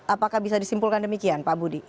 apakah bisa disimpulkan demikian pak budi